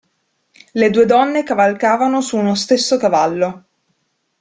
Le due donne cavalcavano su uno stesso cavallo.